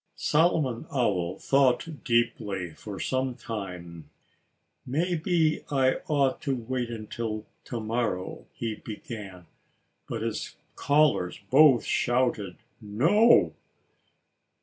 Solomon Owl thought deeply for some time. "Maybe I ought to wait until to morrow——" he began. But his callers both shouted "No!"